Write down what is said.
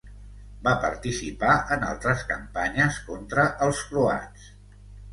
Va participar en altres campanyes contra els croats.